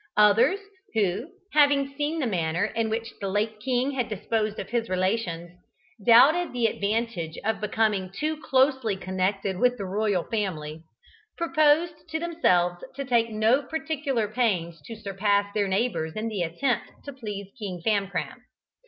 Others, who, having seen the manner in which the late king had disposed of his relations, doubted the advantage of becoming too closely connected with the royal family, proposed to themselves to take no particular pains to surpass their neighbours in the attempt to please King Famcram.